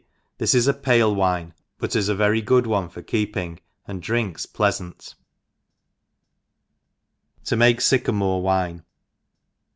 This is ^ pale wine, but it is a very good one for keepings and drinks plcafaot; 7a make SVcAMaRE Wr*E.